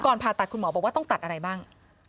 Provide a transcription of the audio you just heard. ผ่าตัดคุณหมอบอกว่าต้องตัดอะไรบ้าง